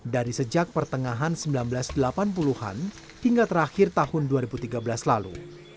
dari sejak pertengahan seribu sembilan ratus delapan puluh an hingga terakhir tahun dua ribu tiga belas lalu